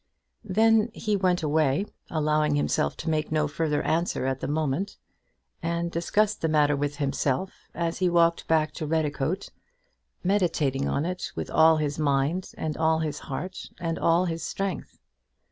Then he went away, allowing himself to make no further answer at the moment, and discussed the matter with himself as he walked back to Redicote, meditating on it with all his mind, and all his heart, and all his strength.